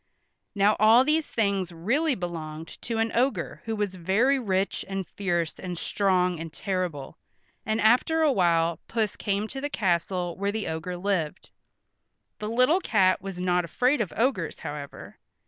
Now all these things really belonged to an ogre who was very rich and fierce and strong and terrible, and after awhile Puss came to the castle where the ogre lived. The little cat was not afraid of ogres, however.